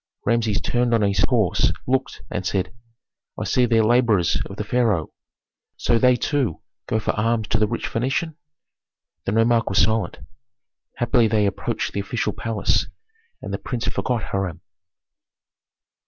Rameses turned on his horse, looked, and said, "I see there laborers of the pharaoh. So they too go for alms to the rich Phœnician?" The nomarch was silent. Happily they approached the official palace, and the prince forgot Hiram.